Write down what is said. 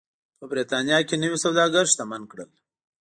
په برېټانیا کې نوي سوداګر شتمن کړل.